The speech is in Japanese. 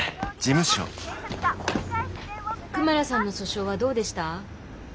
クマラさんの訴訟はどうでした？